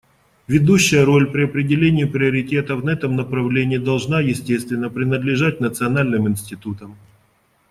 Ведущая роль при определении приоритетов на этом направлении должна, естественно, принадлежать национальным институтам.